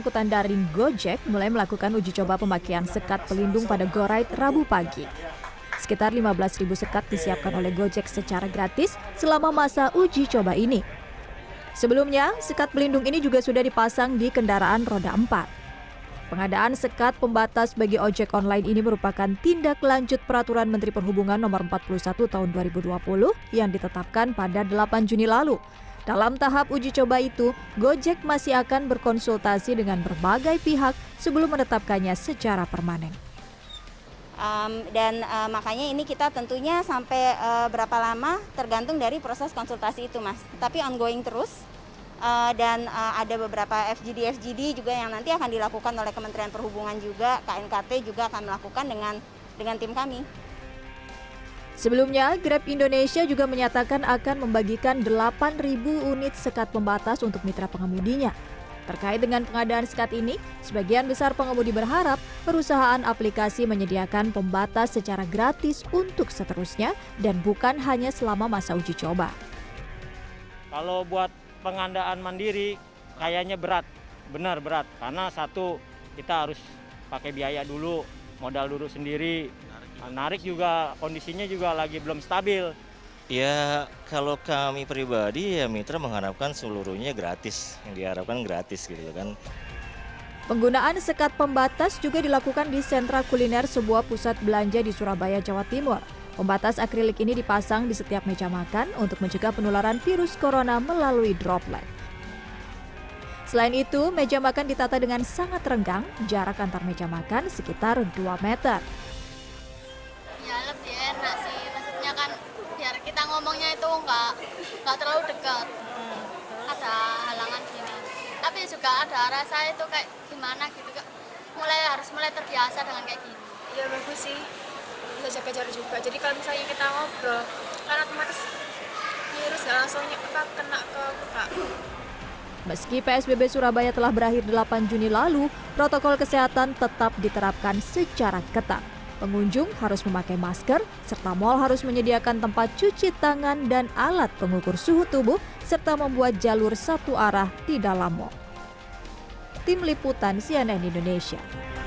tubuh serta membuat jalur satu arah tidak lama tim liputan cnn indonesia